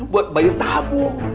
buat bayi tabung